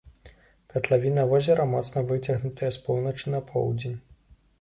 Катлавіна возера моцна выцягнутая з поўначы на поўдзень.